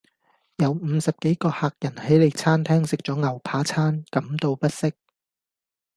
有五十幾個客人喺你餐廳食咗牛扒餐，感到不適